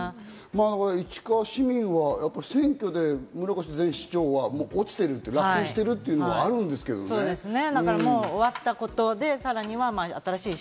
市川市民は選挙で村越前市長は落ちている、落選してるということもあるんですけどね。